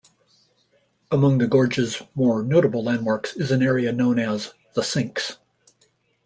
Among the gorge's more notable landmarks is an area known as The Sinks.